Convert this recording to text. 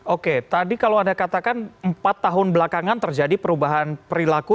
oke tadi kalau anda katakan empat tahun belakangan terjadi perubahan perilaku